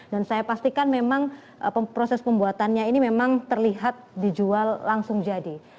dan saya pastikan memang proses pembuatannya ini memang terlihat dijual langsung jadi